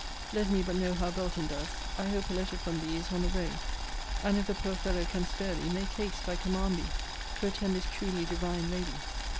Let me but know how Belton does. I hope a letter from thee is on the road. And if the poor fellow can spare thee, make haste, I command thee, to attend this truly divine lady.